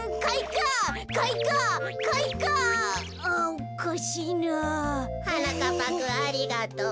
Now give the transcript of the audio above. おかしいな？はなかっぱくんありがとう。